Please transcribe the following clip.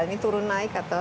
ini untuk apa